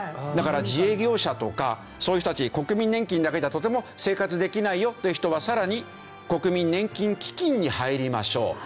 だから自営業者とかそういう人たち国民年金だけではとても生活できないよっていう人はさらに国民年金基金に入りましょう。